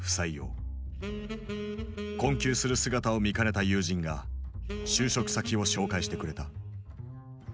困窮する姿を見かねた友人が就職先を紹介してくれた。